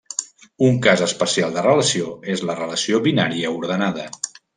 Un cas especial de relació és la relació binària ordenada.